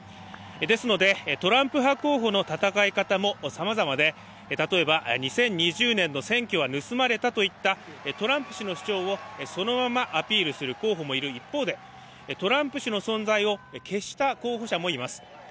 ですので、トランプ派候補の戦い方もさまざまで例えば２０２０年の選挙は盗まれたといったトランプ氏の主張をそのままアピールする候補もいる一方で、トランプ氏の存在を消した候補者もいます。